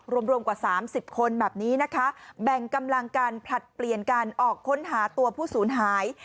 รวมรวมกว่า๓๐คนแบบนี้นะคะแบ่งกำลังการผลัดเปลี่ยนกันออกค้นหาตัวผู้สูญหาย